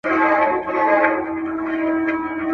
هم په زور او هم په ظلم آزمېیلي.